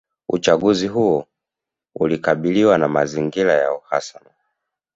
Uchaguzi huo ulikabiliwa na mazingira ya uhasama